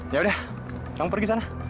yaudah kamu pergi sana